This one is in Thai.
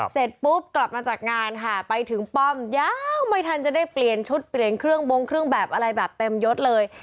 เสร็จปุ๊บกลับมาจากงานค่ะไปถึงป้อมยาวไม่ทันจะได้เปลี่ยนชุดเปลี่ยนเครื่องบงเครื่องแบบอะไรแบบเต็มยดเลย